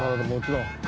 もちろん。